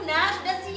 sudah siang ini